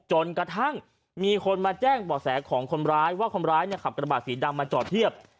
จนกระทั่งมีคนมาแจ้งบ่อแสของคนร้ายว่าคนร้ายเนี่ยขับกระบาดสีดำมาจอดเทียบ